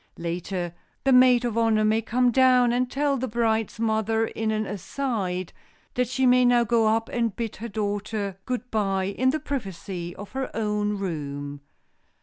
Later, the maid of honor may come down and tell the bride's mother in an "aside" that she may now go up and bid her daughter good by in the privacy of her own room.